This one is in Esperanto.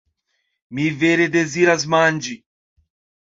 Mi vere deziras manĝi.